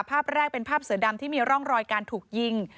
ภาพแรกเป็นภาพเสือดำที่มีร่องรอยการถูกยิง